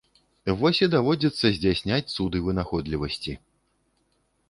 Вось і даводзіцца здзяйсняць цуды вынаходлівасці.